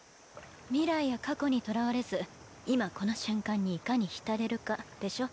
未来や過去にとらわれず今この瞬間にいかに浸れるかでしょ？